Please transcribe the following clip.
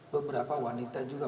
beberapa wanita juga